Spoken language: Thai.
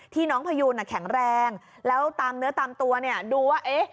ที่น้องพยูนแข็งแรงแล้วตามเนื้อตามตัวดูว่า